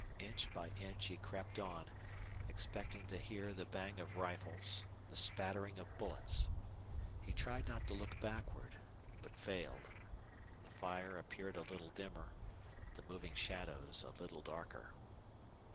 Inch by inch he crept on, expecting to hear the bang of rifles, the spattering of bullets. He tried not to look backward, but failed. The fire appeared a little dimmer, the moving shadows a little darker.